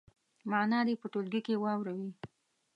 معنا دې په ټولګي کې واوروي.